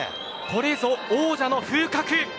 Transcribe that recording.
これぞ王者の風格。